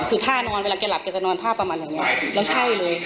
คือท่านอนเวลาแกหลับแกจะนอนท่าประมาณอย่างนี้แล้วใช่เลย